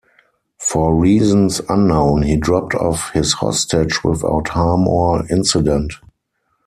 For reasons unknown, he dropped off his hostage without harm or incident.